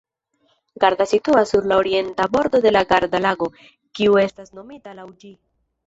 Garda situas sur la orienta bordo de la Garda-Lago, kiu estas nomita laŭ ĝi.